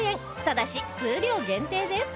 ただし数量限定です